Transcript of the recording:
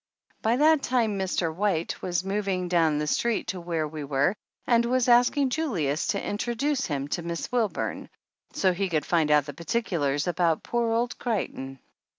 By that time Mr. White was moving down the street to where we were and was asking Julius to introduce him to Miss Wilburn, so he could find out the particulars about poor old Creigh ton.